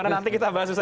nanti kita bahas